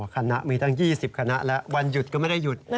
คณะมีตั้ง๒๐คณะและวันหยุดก็ไม่ได้หยุด